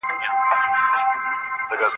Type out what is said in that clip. تاسې څومره ونې کښېنولې دي؟